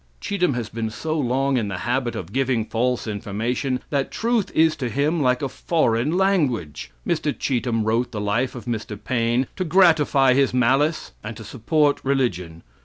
Cheetham has been so long in the habit of giving false information, that truth is to him like a foreign language. Mr. Cheetham wrote the life of Mr. Paine to gratify his malice and to support religion.